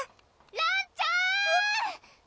・らんちゃん！